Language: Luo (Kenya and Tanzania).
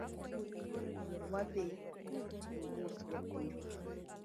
Wadhi wamos japuonj wa